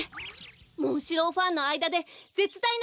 モンシローファンのあいだでぜつだいな